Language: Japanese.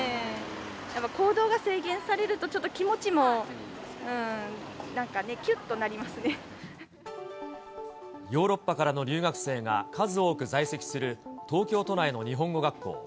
やっぱ行動が制限されるとちょっと気持ちもなんかね、きゅっとなヨーロッパからの留学生が数多く在籍する東京都内の日本語学校。